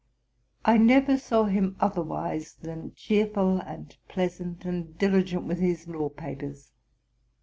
I never saw him otherwise than cheerful and pleasant, and diligent with his law papers.